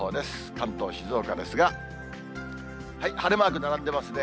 関東、静岡ですが、晴れマーク並んでますね。